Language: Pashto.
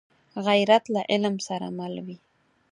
غیرت له علم سره مل وي